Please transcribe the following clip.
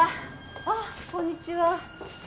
ああこんにちは。